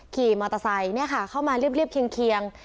ขี่มอเตอร์ไซค์เข้ามาเรียบเคียง